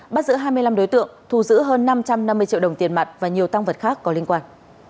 bắt giữ hai mươi năm đối tượng thu giữ hơn năm trăm năm mươi triệu đồng tiền mặt và nhiều tăng vật khác có liên quan